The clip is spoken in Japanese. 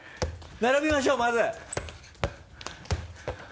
並びましょうまず。